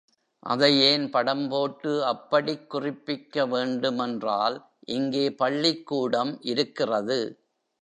அதை ஏன் படம் போட்டு அப்படிக் குறிப்பிக்க வேண்டுமென்றால், இங்கே பள்ளிக்கூடம் இருக்கிறது.